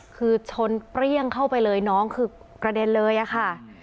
คือชนเปรี้ยงเข้าไปเลยน้องคือกระเด็นเลยอะค่ะ